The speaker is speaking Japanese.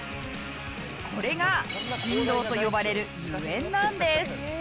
これが神童と呼ばれるゆえんなんです。